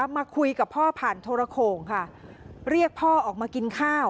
มาคุยกับพ่อผ่านโทรโขงค่ะเรียกพ่อออกมากินข้าว